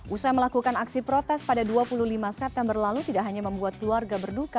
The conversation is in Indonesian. usai melakukan aksi protes pada dua puluh lima september lalu tidak hanya membuat keluarga berduka